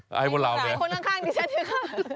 ให้คนล่างข้างดิฉันด้วยค่ะ